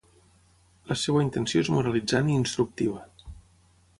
La seva intenció és moralitzant i instructiva.